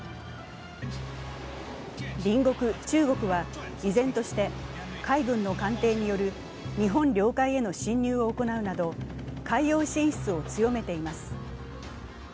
隣国・中国は依然として海軍の艦艇による日本領海への侵入を行うなど、海洋進出を強めています。